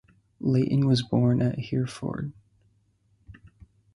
Leighton was born at Hereford.